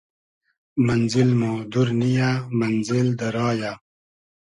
مئنزیل مۉ دور نییۂ مئنزیل دۂ را یۂ